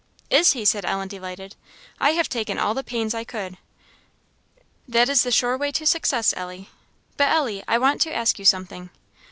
"Is he?" said Ellen delighted. "I have taken all the pains I could." "That is the sure way to success, Ellie. But, Ellie, I want to ask you something.